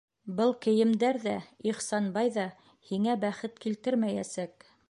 Был кейемдәр ҙә, Ихсанбай ҙа һиңә бәхет килтермәйәсәк!